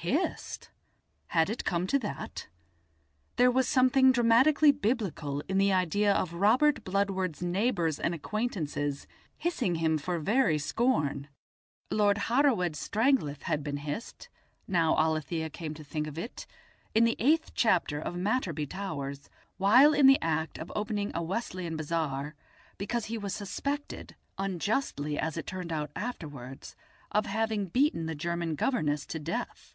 Hissed! Had it come to that? There was something dramatically biblical in the idea of Robert Bludward's neighbours and acquaintances hissing him for very scorn. Lord Hereward Stranglath had been hissed, now Alethia came to think of it, in the eighth chapter of Matterby Towers, while in the act of opening a Wesleyan bazaar, because he was suspected (unjustly as it turned out afterwards) of having beaten the German governess to death.